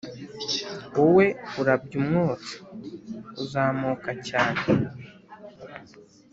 wowe urabya umwotsi, uzamuka cyane,